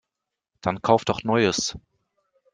Dann Kauf doch Neues!